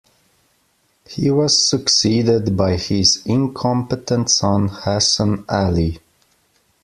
He was succeeded by his incompetent son Hasan Ali.